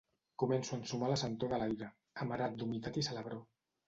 Començo a ensumar la sentor de l'aire, amarat d'humitat i salabror.